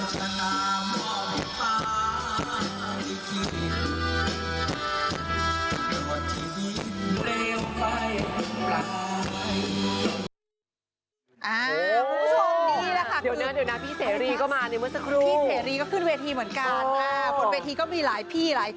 ผ่านสมบัติหัวรักอย่าจะรบหุ้งเพราะว่าชายผ่าน